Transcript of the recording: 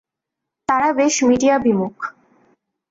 তারা বেশ মিডিয়া বিমুখ।